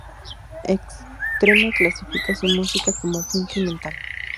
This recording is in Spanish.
Extreme clasifica su música como "Funky Metal".